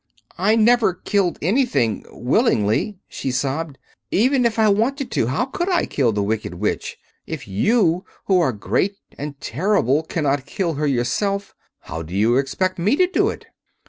"I never killed anything, willingly," she sobbed. "Even if I wanted to, how could I kill the Wicked Witch? If you, who are Great and Terrible, cannot kill her yourself, how do you expect me to do it?"